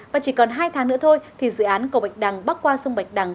và chỉ còn hai tháng nữa thôi thì dự án cầu bạch đằng bắc qua sông bạch đằng